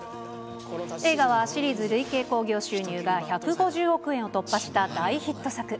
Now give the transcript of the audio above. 映画はシリーズ累計興行収入が１５０億円を突破した大ヒット作。